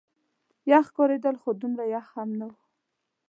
یخ ښکارېدل، خو دومره یخ هم نه.